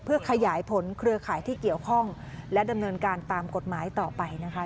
เพื่อขยายผลเครือข่ายที่เกี่ยวข้องและดำเนินการตามกฎหมายต่อไปนะคะ